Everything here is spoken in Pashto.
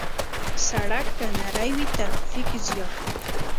سړک که نری وي، ترافیک زیات وي.